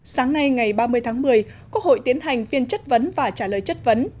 sáng nay ngày ba mươi tháng một mươi quốc hội tiến hành phiên chất vấn và trả lời chất vấn